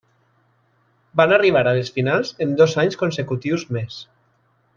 Van arribar a les finals en dos anys consecutius més.